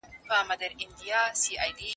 زلیخا په اصفهان کې د یو تجار لور وه.